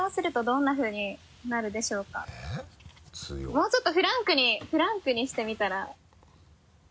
もうちょっとフランクにしてみたら。